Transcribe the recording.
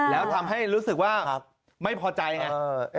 แล้วทำให้รู้สึกว่าไม่พอใจไง